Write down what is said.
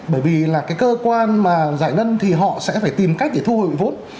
bởi vì là cơ quan giải ngân thì họ sẽ phải tìm cách để thu hồi vốn